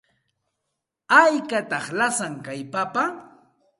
¿Haykataq lasan kay papa?